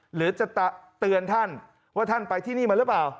หรือจะเตือนท่านว่าท่านไปที่นี่มาหรือเปล่า